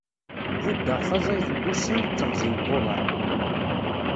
Bubbeɣ taẓayt n wussan d teɣzi n wuḍan.